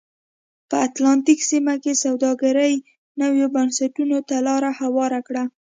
په اتلانتیک سیمه کې سوداګرۍ نویو بنسټونو ته لار هواره کړه.